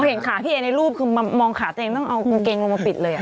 เห็นขาพี่เอในรูปคือมองขาตัวเองต้องเอากางเกงลงมาปิดเลย